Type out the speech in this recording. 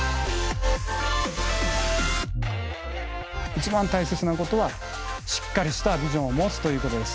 一番大切なことはしっかりしたビジョンを持つということです。